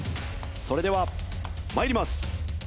それでは参ります。